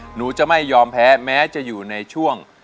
หนูจะไม่ยอมแพ้แม้จะอยู่ในช่วง